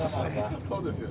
そうですよね。